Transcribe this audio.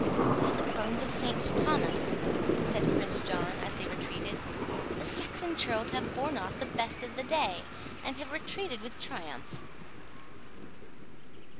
"By the bones of St Thomas," said Prince John, as they retreated, "the Saxon churls have borne off the best of the day, and have retreated with triumph!"